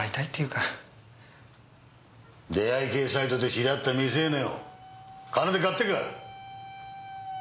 出会い系サイトで知り合った未成年を金で買ってか！